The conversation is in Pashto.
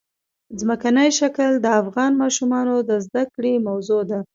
ځمکنی شکل د افغان ماشومانو د زده کړې موضوع ده.